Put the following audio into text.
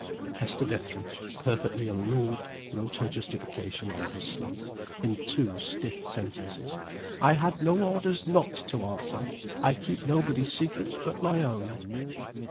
Hester Dethridge, perfectly unmoved, wrote her justification on her slate, in two stiff sentences: "I had no orders not to answer. I keep nobody's secrets but my own."